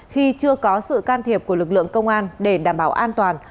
khi chưa có sự can thiệp của lực lượng công an để đảm bảo an toàn